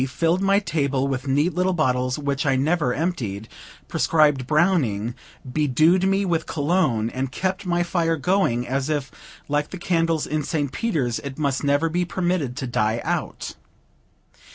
filled my table with neat little bottles, which I never emptied, prescribed Browning, bedewed me with Cologne, and kept my fire going, as if, like the candles in St. Peter's, it must never be permitted to die out.